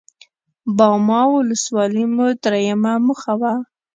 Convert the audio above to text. باما ولسوالي مو درېيمه موخه وه.